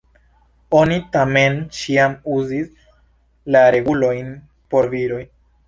Oni tamen ĉiam uzis la regulojn por viroj.